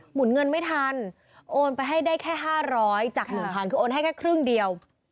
หนุนเงินไม่ทันโอนไปให้ได้แค่๕๐๐จาก๑๐๐คือโอนให้แค่ครึ่งเดียว